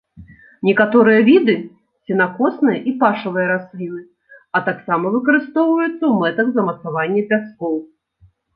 Некаторыя віды сенакосныя і пашавыя расліны, а таксама выкарыстоўваюцца ў мэтах замацавання пяскоў.